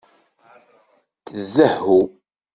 Tdehhu.